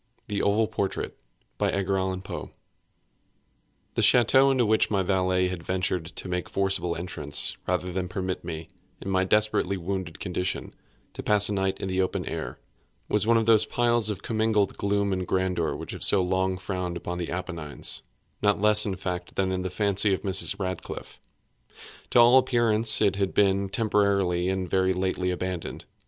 THE OVAL PORTRAIT The ch├óteau into which my valet had ventured to make forcible entrance, rather than permit me, in my desperately wounded condition, to pass a night in the open air, was one of those piles of commingled gloom and grandeur which have so long frowned among the Appennines, not less in fact than in the fancy of Mrs. Radcliffe. To all appearance it had been temporarily and very lately abandoned.